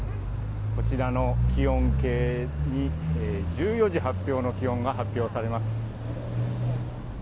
こちらの気温計に１４時発表の気温が発表されます。